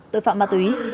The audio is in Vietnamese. tội phạm ma túy